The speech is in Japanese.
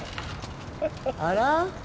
あら？